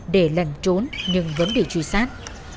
để lẩn trốn nhưng vẫn bị trù sát